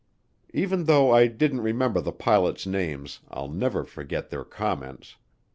Even though I didn't remember the pilots' names I'll never forget their comments.